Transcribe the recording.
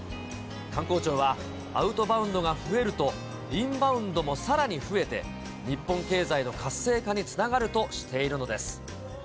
観光庁は、アウトバウンドが増えると、インバウンドもさらに増えて、日本経済の活性化につながるとしているのです。